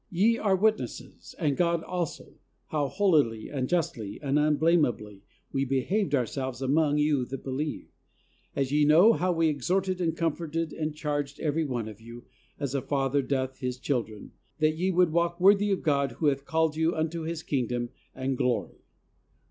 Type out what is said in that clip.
Ye are witnesses, and God also, how holily and justly and unblamably we behaved ourselves among you that believe; as ye know how we exhorted and comforted, and charged every one of you, as a father doth his children, that ye would walk worthy of God, who hath called you unto His Kingdom and glory."